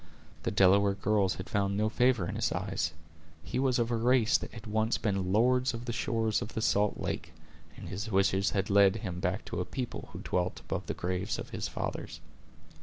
The Delaware girls had found no favor in his eyes! He was of a race that had once been lords on the shores of the salt lake, and his wishes had led him back to a people who dwelt about the graves of his fathers.